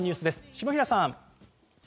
下平さん。